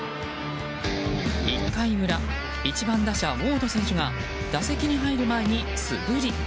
１回裏、１番打者ウォード選手が打席に入る前に素振り。